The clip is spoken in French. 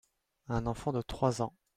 Un enfant de trois ans.